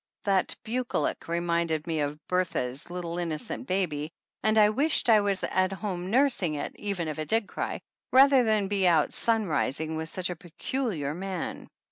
That "bucolic" reminded me of Bertha's little innocent baby, and I wished I was at home nursing it eren if it did cry, rather than be out sun rising with such a peculiar man.